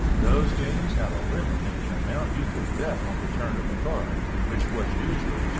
Those games had a limit in the amount you could bet on the turn of a card, which was usually $12.